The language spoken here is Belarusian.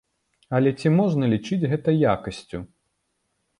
Але ці можна лічыць гэта якасцю.